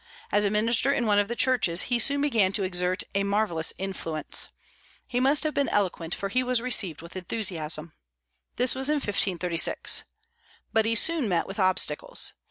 As a minister in one of the churches, he soon began to exert a marvellous influence. He must have been eloquent, for he was received with enthusiasm. This was in 1536. But he soon met with obstacles.